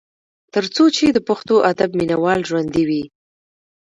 تر څو چې د پښتو ادب مينه وال ژوندي وي ۔